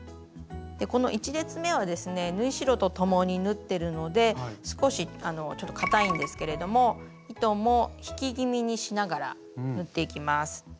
この１列目はですね縫い代とともに縫ってるので少しちょっとかたいんですけれども糸も引き気味にしながら縫っていきます。